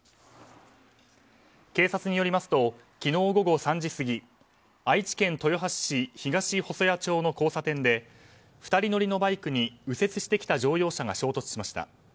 警察によりますと昨日午後３時過ぎ愛知県豊橋市東細谷町の交差点で２人乗りのバイクに右折してきた乗用車が衝突しました。